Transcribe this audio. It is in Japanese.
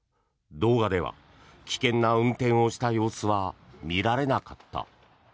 動画では危険な運転をした様子は見られなかった。